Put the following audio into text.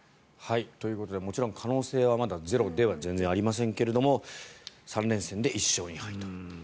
ということでもちろん、可能性はまだ全然ゼロではありませんが３連戦で１勝２敗と。